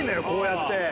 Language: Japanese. こうやって。